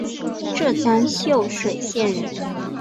浙江秀水县人。